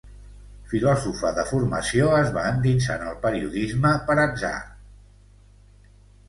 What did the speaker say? Filòsofa de formació, es va endinsar en el periodisme per atzar.